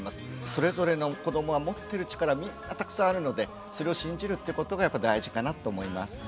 それぞれの子どもが持ってる力みんなたくさんあるのでそれを信じるってことがやっぱ大事かなと思います。